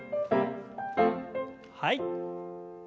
はい。